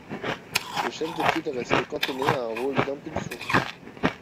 Le chef de file reste cantonné à un rôle d’impulsion.